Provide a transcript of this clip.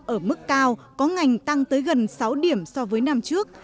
ở mức cao có ngành tăng tới gần sáu điểm so với năm trước